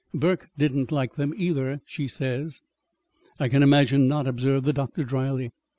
Burke didn't like them either, she says." "I can imagine not," observed the doctor dryly.